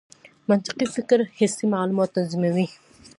منطقي فکر حسي معلومات تنظیموي.